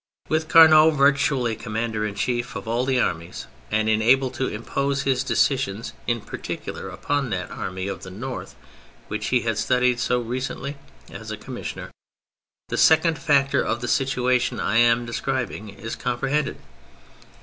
With Carnot virtually commander in chief of all the armies, and enabled to im pose his decisions in particular upon that Army of the North which he had studied so recently as a commissioner, the second factor of the situation I am describing is comprehended.